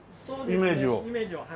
イメージを。